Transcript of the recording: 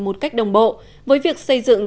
một cách đồng bộ với việc xây dựng